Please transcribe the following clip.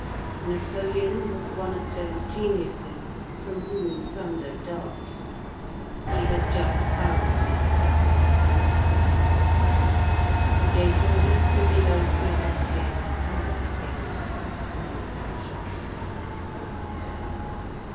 Napoleon was one of those geniuses from whom thunder darts. He had just found his clap of thunder. He gave orders to Milhaud's cuirassiers to carry the table land of Mont Saint Jean.